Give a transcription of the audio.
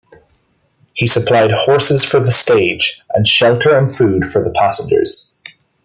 He supplied horses for the stage and shelter and food for the passengers.